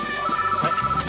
はい。